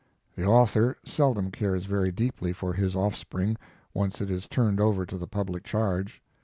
The author seldom cares very deeply for his offspring once it is turned over to the public charge.